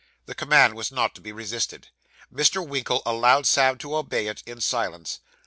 The command was not to be resisted. Mr. Winkle allowed Sam to obey it, in silence.